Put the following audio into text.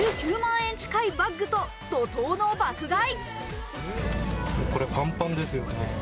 円近いバッグと、怒とうの爆買い。